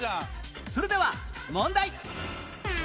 それでは問題